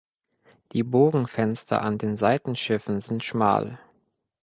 Die Bogenfenster an den Seitenschiffen sind schmal.